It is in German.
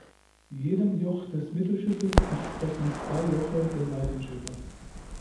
Jedem Joch des Mittelschiffes entsprechen zwei Joche der Seitenschiffe.